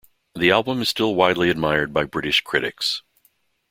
The album is still widely admired by British critics.